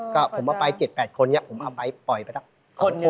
ก็ผมเอาไป๗๘คนนี่ผมเอาไปปล่อยไปแต่ครั้งอัน